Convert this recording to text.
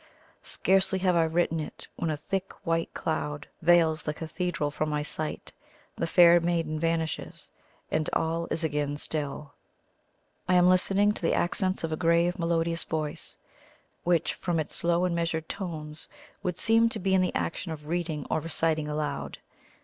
Scarcely have I written it when a thick white cloud veils the cathedral from my sight; the fair maiden vanishes, and all is again still. I am listening to the accents of a grave melodious voice, which, from its slow and measured tones, would seem to be in the action of reading or reciting aloud.